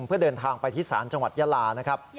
เพื่อเดินทางไปที่ศาลจังหวัดยาลานะครับ